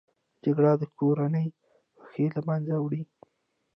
جګړه د کورنۍ خوښۍ له منځه وړي